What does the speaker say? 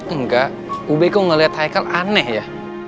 enggak be kok ngeliat haikal aneh ya